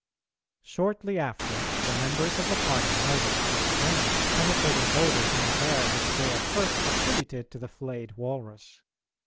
Shortly after, the members of the party noticed a strange penetrating odour in the air which they at first attributed to the flayed walrus.